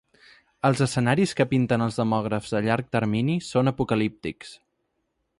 Els escenaris que pinten els demògrafs a llarg termini són apocalíptics.